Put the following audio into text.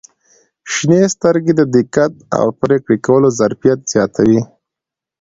• شنې سترګې د دقت او پرېکړې کولو ظرفیت زیاتوي.